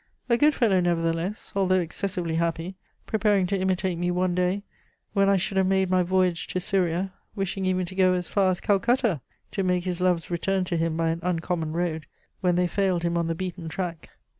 A good fellow, nevertheless, although excessively happy, preparing to imitate me one day, when I should have made my voyage to Syria, wishing even to go as far as Calcutta, to make his loves return to him by an uncommon road, when they failed him on the beaten track.